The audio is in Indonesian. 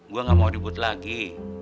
gua nggak mau dibut lagi